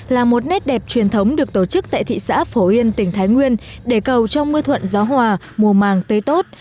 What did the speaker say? là một nét đẹp truyền thống được tổ chức tại thị xã phổ yên tỉnh thái nguyên để cầu cho mưa thuận gió hòa mùa màng tươi tốt